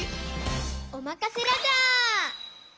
おまかせラジャー！